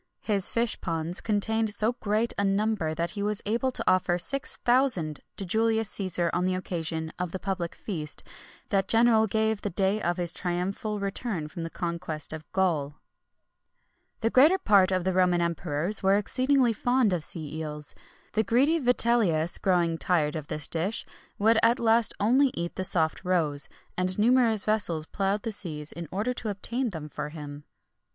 His fish ponds contained so great a number that he was able to offer six thousand to Julius Cæsar on the occasion of the public feast that general gave the day of his triumphal return from the conquest of Gaul.[XXI 65] The greater part of the Roman emperors were exceedingly fond of sea eels. The greedy Vitellius, growing tired of this dish, would at last only eat the soft roes: and numerous vessels ploughed the seas in order to obtain them for him.